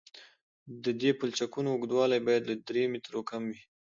د دې پلچکونو اوږدوالی باید له درې مترو کم وي